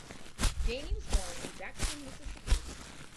Gainey was born in Jackson, Mississippi.